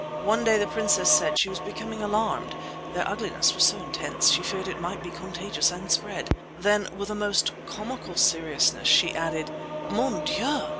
One day the princess said she was becoming alarmed; their ugliness was so intense she feared it might be contagious and spread. Then, with a most comical seriousness, she added: "Mon Dieu!